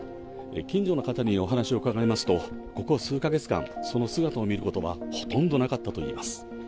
近所の方にお話を伺いますと、ここ数か月間、その姿を見ることはほとんどなかったといいます。